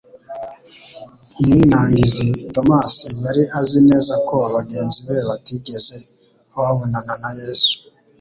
Umwinangizi Tomasi yari azi neza ko bagenzi be batigeze babonana na Yesu